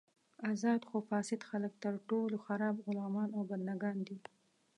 ازاد خو فاسد خلک تر ټولو خراب غلامان او بندګان دي.